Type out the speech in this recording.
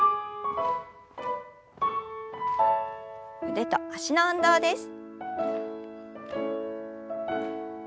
腕と脚の運動です。